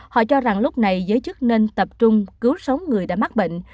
họ cho rằng lúc này giới chức nên tập trung cứu sống người đã mắc bệnh